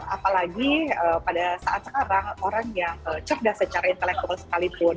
apalagi pada saat sekarang orang yang cerdas secara intelektual sekalipun